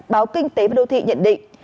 báo kinh tế và đô thị nhận định